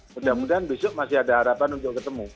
mudah mudahan besok masih ada harapan untuk ketemu